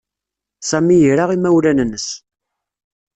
Sami ira imawlan-nnes.